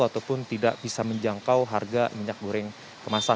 ataupun tidak bisa menjangkau harga minyak goreng kemasan